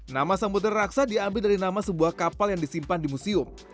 nama sambutan raksa diambil dari nama sebuah kapal yang disimpan di museum